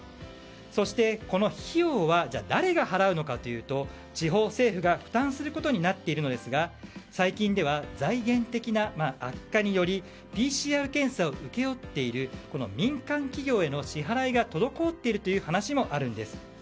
そして、この費用は誰が払うのかというと地方政府が負担することになっているのですが最近では財源的な悪化によりＰＣＲ検査を請け負っている民間企業への支払いが滞っているという話もあるんです。